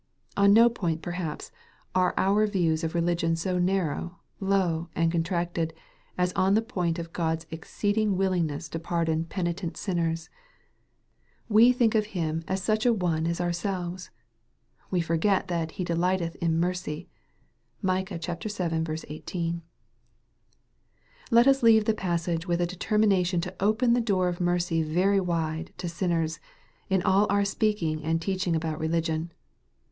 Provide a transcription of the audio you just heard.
On no point perhaps are our views of religion so narrow, low, and contracted, as on the point of God's exceeding willingness to pardon penitent sinners. We think of Him as such an one as ourselves. We forget that " he delighteth in mercy." (Micah vii. 18.) Let us leave the passage with a determination to open the door of mercy very wide to sinners, in all our speak ing and teaching about religion.